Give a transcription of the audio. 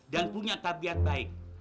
dan punya tabiat baik